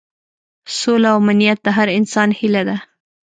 سوله او امنیت د هر انسان هیله ده.